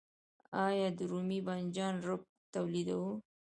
آیا د رومي بانجان رب تولیدوو؟